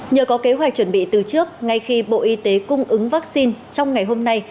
nhờ có kế hoạch chuẩn bị từ trước ngay khi bộ y tế cung ứng vaccine trong ngày hôm nay